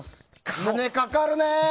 金かかるね！